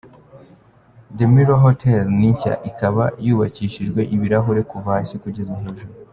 The Mirror Hotel ni nshya, ikaba yubakishijwe ibirahure kuva hasi kugeza hejuru.